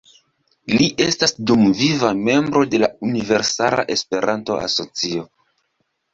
Li estas dumviva membro de Universala Esperanto-Asocio.